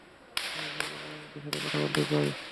আমি ভারতের প্রধানমন্ত্রীর সাথে কথা বলতে চাই।